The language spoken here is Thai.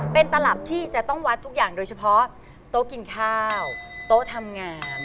เป็นตลับที่จะต้องวัดทุกอย่างโดยเฉพาะโต๊ะกินข้าวโต๊ะทำงาน